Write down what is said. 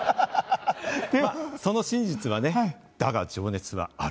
その真実は、だが情熱はある。